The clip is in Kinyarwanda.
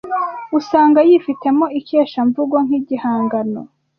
usanga yifitemo ikeshamvugo nk’igihangano